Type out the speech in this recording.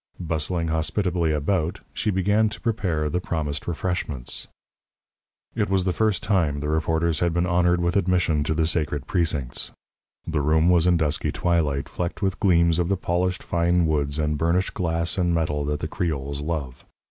Bustling hospitably about, she began to prepare the promised refreshments. It was the first time the reporters had been honoured with admission to the sacred precincts. The room was in dusky twilight, flecked with gleams of the polished, fine woods and burnished glass and metal that the Creoles love.